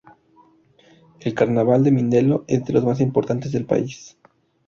El carnaval de Mindelo es de los más importantes del país.